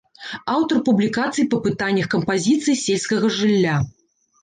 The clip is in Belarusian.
Аўтар публікацый па пытаннях кампазіцыі сельскага жылля.